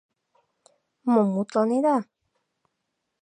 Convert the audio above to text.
Мом мутланеда?